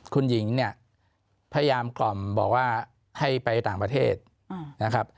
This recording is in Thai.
คุณหญิงเนี่ยพยายามกล่อมบอกว่าให้ไปต่างประเทศนะครับ